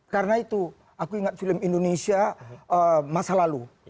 karena itu aku ingat film indonesia masa lalu